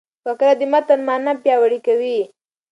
فقره د متن مانا پیاوړې کوي.